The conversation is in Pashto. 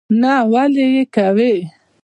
نه ولي یې کوې?